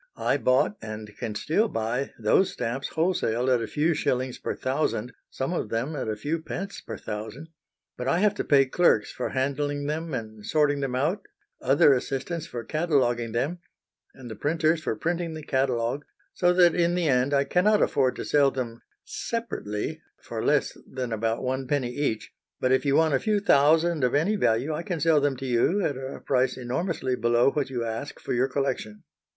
I bought, and can still buy, those stamps wholesale at a few shillings per thousand, some of them at a few pence per thousand; but I have to pay clerks for handling them and sorting them out, other assistants for cataloguing them, and the printers for printing the catalogue, so that in the end I cannot afford to sell them separately for less than about one penny each, but if you want a few thousand of any value I can sell them to you at a price enormously below what you ask for your collection."